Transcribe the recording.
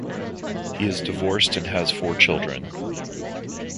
He is divorced and has four children.